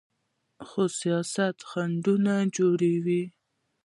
خو سیاست خنډونه جوړوي.